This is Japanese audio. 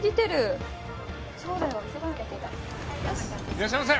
いらっしゃいませ！